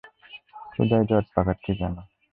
হুদাই জট পাকাচ্ছি কেন?